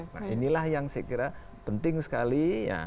nah inilah yang saya kira penting sekali